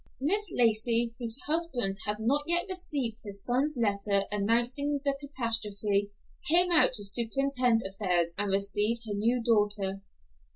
Mrs. Lacey, whose husband had not yet received his son's letter announcing the catastrophe, came out to superintend affairs and receive her new daughter.